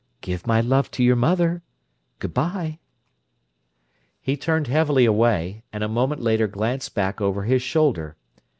"Give my love to your mother. Good bye!" He turned heavily away, and a moment later glanced back over his shoulder.